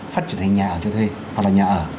phát triển thành nhà ở cho thuê hoặc là nhà ở